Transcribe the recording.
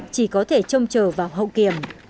chỉ có thể trông chờ vào hậu kiểm